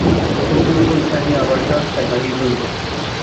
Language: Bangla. তখন তরুতল ছাড়িয়া আবার রাস্তায় বাহির হইল।